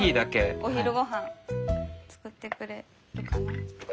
お昼ごはん作ってくれるかな？